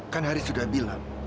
kan haris sudah bilang